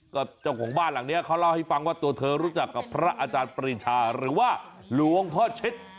ก็เจ้าของบ้านหลังนี้เขาเล่าให้ฟังว่าตัวเธอรู้จักกับพระอาจารย์ปริชาหรือว่าหลวงพ่อเช็ด